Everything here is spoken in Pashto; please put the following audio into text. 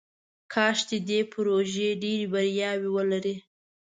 کاش چې دې پروژې ډیرې بریاوې ولري.